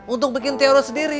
untuk bikin teoro sendiri